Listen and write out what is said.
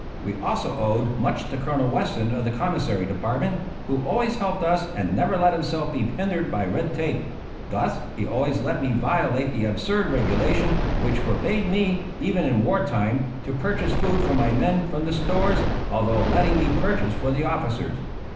We also owed much to Colonel Weston of the Commissary Department, who always helped us and never let himself be hindered by red tape; thus he always let me violate the absurd regulation which forbade me, even in war time, to purchase food for my men from the stores, although letting me purchase for the officers.